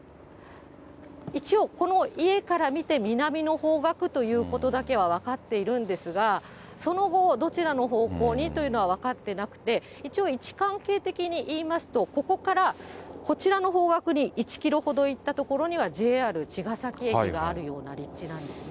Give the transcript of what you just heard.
一応、この家から見て、南の方角ということだけは分かっているんですが、その後、どちらの方向にというのは分かってなくて、一応位置関係的に言いますと、ここからこちらの方角に１キロほど行った所には、ＪＲ茅ケ崎駅があるような立地なんですね。